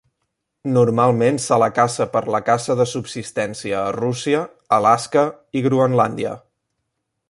Normalment se la caça per la caça de subsistència a Rússia, Alaska i Groenlàndia.